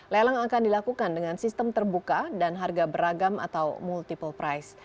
lelang akan dilakukan dengan sistem terbuka dan harga beragam atau multiple price